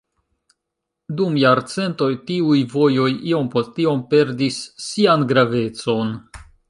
Dum jarcentoj tiuj vojoj iom post iom perdis sian gravecon.